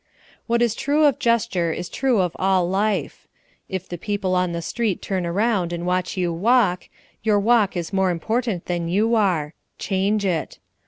What is true of gesture is true of all life. If the people on the street turn around and watch your walk, your walk is more important than you are change it.